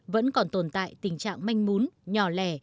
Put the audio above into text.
vẫn còn tồn tại tình trạng manh mún nhỏ lẻ